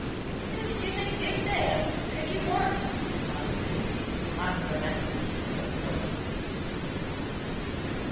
"Who did you think lived there? Who do you want?" asked Prissy, ungrammatically, but pointedly.